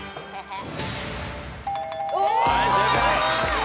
はい正解。